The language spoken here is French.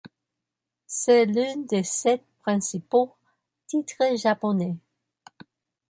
C'est l'un des sept principaux titres japonais.